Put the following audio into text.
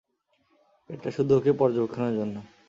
এটা শুধু ওকে পর্যবেক্ষণের জন্য!